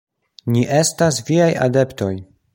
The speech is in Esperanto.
Ni estas viaj adeptoj.